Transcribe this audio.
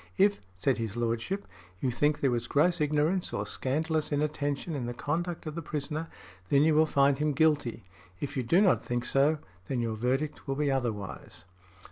"If," said his Lordship, "you think there was gross ignorance or scandalous inattention in the conduct of the prisoner, then you will find him guilty; if you do not think so, then your verdict will be otherwise" .